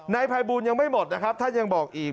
นายภัยบูลยังไม่หมดนะครับท่านยังบอกอีก